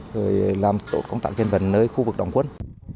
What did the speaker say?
rồi làm tốt công tác trên vần nơi khu vực đóng quân